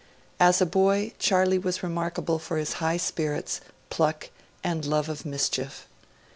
As a boy, Charlie was remarkable for his high spirits, pluck, and love of mischief.